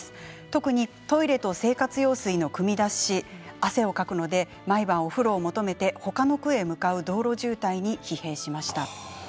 特にトイレと生活用水のくみ出しに汗をかくので毎晩お風呂を求めて他の区に向かう道路渋滞に疲弊しました。